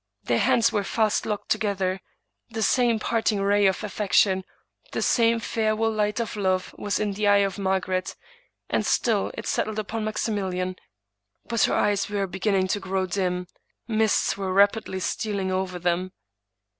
Their hands were fast locked together; the same parting ray of affection, the same farewell light of love, was in the eye of Margaret, and still it settled upon Maxi milian. But her eyes were beginning to grow dim; mists were rapidly stealing over them.